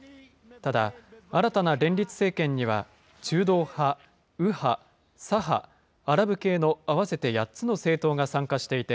ただ、新たな連立政権には、中道派、右派、左派、アラブ系の、合わせて８つの政党が参加していて、